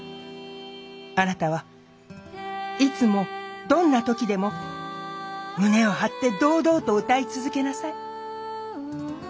あなたはいつもどんな時でも胸を張って堂々と歌い続けなさい。